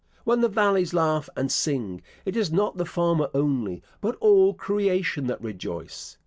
When the valleys laugh and sing, it is not the farmer only, but all creation that rejoice.